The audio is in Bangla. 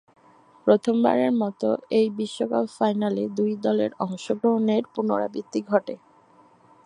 প্রথমবারের মতো এ বিশ্বকাপের ফাইনালে দুই দলের অংশগ্রহণের পুণরাবৃত্তি ঘটে।